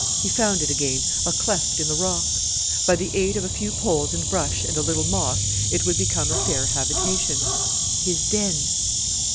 He found it again a cleft in the rock. By the aid of a few poles and brush and a little moss it would become a fair habitation, his den!